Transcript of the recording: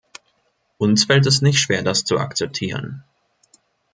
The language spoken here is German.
Uns fällt es nicht schwer, das zu akzeptieren.